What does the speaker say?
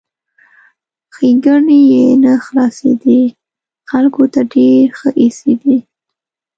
ښېګڼې یې نه خلاصېدې ، خلکو ته ډېر ښه ایسېدی!